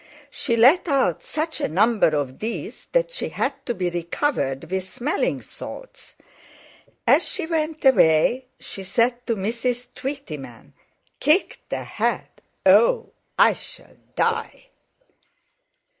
she let out such a number of these that she had to be recovered with smelling salts. As she went away she said to Mrs. Tweetyman: "Kicked a—ha at! Oh! I shall die."